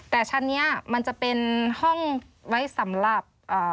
แต่ชั้นนี้มันจะเป็นห้องไว้สำหรับ